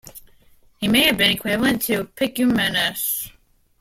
He may have been equivalent to Picumnus.